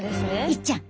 いっちゃん